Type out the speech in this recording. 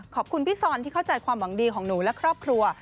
ขอบคุณพี่ซอนที่เข้าใจความหวังดีของหนูและครอบครัว